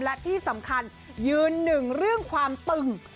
และที่สำคัญยืนหนึ่งเรื่องความตึง